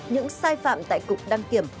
những sai phạm tại cục đăng kiểm